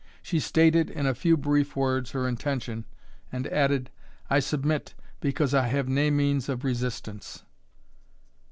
She stated, in a few brief words, her intention, and added, "I submit, because I have nae means of resistance."